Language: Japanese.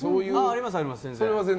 あります。